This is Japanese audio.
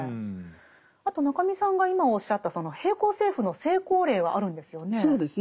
あと中見さんが今おっしゃったその並行政府の成功例はあるんですよね？